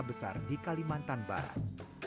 besar di kalimantan barat